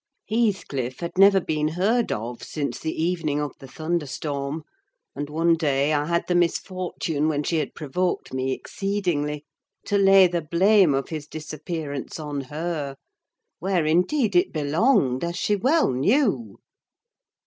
Heathcliff had never been heard of since the evening of the thunder storm; and, one day, I had the misfortune, when she had provoked me exceedingly, to lay the blame of his disappearance on her: where indeed it belonged, as she well knew.